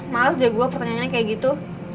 males deh gue pertanyaannya kayak gitu